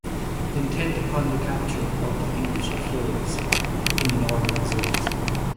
Intent upon the capture of the English at Flores in the northern Azores.